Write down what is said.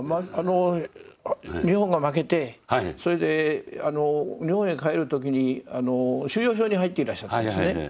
日本が負けてそれで日本へ帰る時に収容所に入っていらっしゃったんですね。